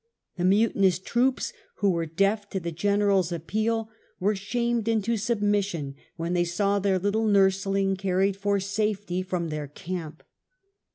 The mutinous troops who were deaf to the generaPs appeal were shamed into submission when they saw their little nursling carried for safety from their camp.